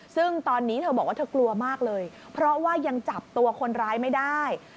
ซึ่งตอนนี้เธอบอกว่าเธอกลัวมากเลยเพราะว่ายังจับตัวคนร้ายไม่ได้